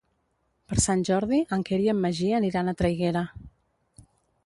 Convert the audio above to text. Per Sant Jordi en Quer i en Magí aniran a Traiguera.